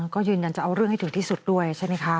ก็ยืนยันจะเอาเรื่องให้ถึงที่สุดด้วยใช่ไหมคะ